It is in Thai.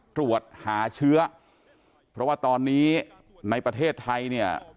ตรวจหาเชื้อเพราะว่าตอนนี้ในประเทศไทยเนี่ย